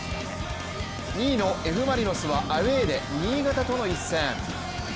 ２位のＦ・マリノスはアウェーで新潟との一戦。